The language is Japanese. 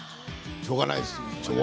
しょうがないです。